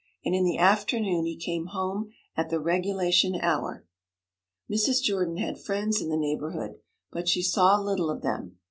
And in the afternoon he came home at the regulation hour. Mrs. Jordan had friends in the neighbourhood, but she saw little of them.